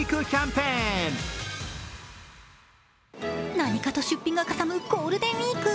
何かと出費がかさむゴールデンウイーク。